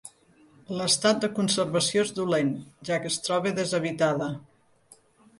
L'estat de conservació és dolent, ja que es troba deshabitada.